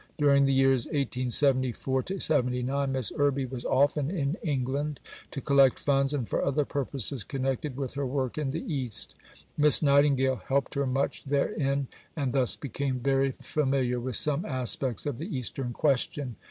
During the years 1874 79 Miss Irby was often in England, to collect funds and for other purposes connected with her work in the East. Miss Nightingale helped her much therein, and thus became very familiar with some aspects of the Eastern Question.